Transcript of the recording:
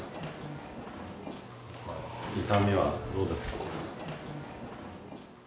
痛みはどうですか？